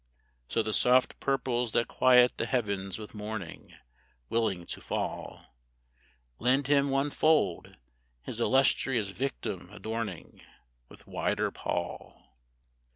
So the soft purples that quiet the heavens with mourning, Willing to fall, Lend him one fold, his illustrious victim adorning With wider pall.